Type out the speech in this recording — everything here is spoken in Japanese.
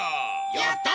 やった！